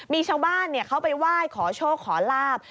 มีชาวบ้านเขาไปไหว้ขอโชคขอลาบ